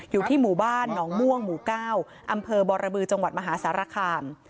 อยู่ที่หมู่บ้านหนองม่วงหมู่๙อำเภอบรบือจังหวัดมหาสารคาม